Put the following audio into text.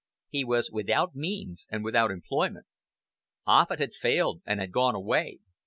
He was without means and without employment. Offut had failed and had gone away.